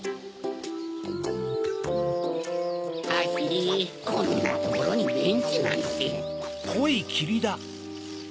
ハヒこんなところにベンチなんて。